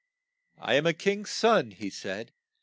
"I am a king's son," he said.